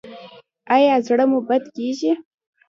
ایا زړه مو بد کیږي؟